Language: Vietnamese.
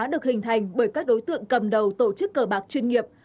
được hình thành bởi các đối tượng cầm đầu tổ chức cờ bạc chuyên nghiệp